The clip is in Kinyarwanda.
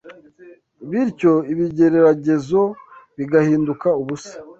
bityo ibigeragezo bigahinduka ubusa!